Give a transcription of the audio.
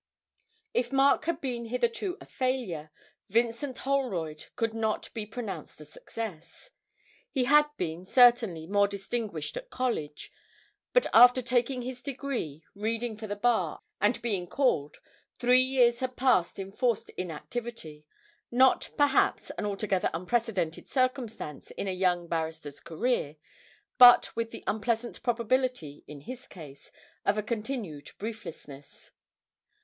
If Mark had been hitherto a failure, Vincent Holroyd could not be pronounced a success. He had been, certainly, more distinguished at college; but after taking his degree, reading for the Bar, and being called, three years had passed in forced inactivity not, perhaps, an altogether unprecedented circumstance in a young barrister's career, but with the unpleasant probability, in his case, of a continued brieflessness.